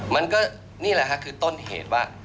มันก็นี่แหละค่ะคือต้นเหตุว่า